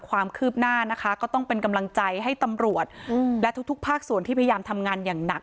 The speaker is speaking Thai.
ความคืบหน้านะคะก็ต้องเป็นกำลังใจให้ตำรวจและทุกภาคส่วนที่พยายามทำงานอย่างหนัก